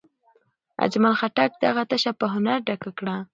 اجمل خټک دغه تشه په هنر ډکه کړه.